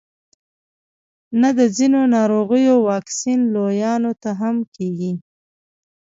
نه د ځینو ناروغیو واکسین لویانو ته هم کیږي